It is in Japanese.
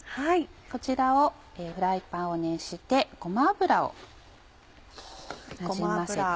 こちらをフライパンを熱してごま油を。